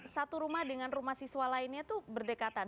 satu rumah dengan rumah siswa lainnya itu berdekatan